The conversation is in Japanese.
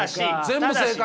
全部正解！